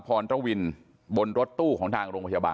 พรตวินบนรถตู้ของทางโรงพยาบาล